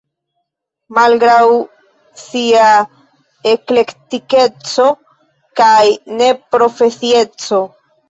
Malgraŭ sia eklektikeco kaj neprofesieco.